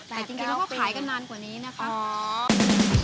แต่จริงเราก็ขายกันนานกว่านี้นะครับ